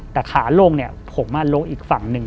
แต่ขาลงผมลงอีกฝั่งหนึ่ง